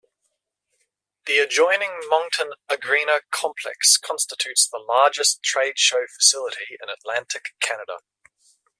The adjoining Moncton Agrena complex constitutes the largest trade show facility in Atlantic Canada.